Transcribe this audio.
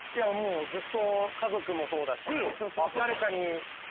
ずっと家族もそうだし誰かに。